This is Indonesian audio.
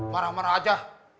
marah marah aja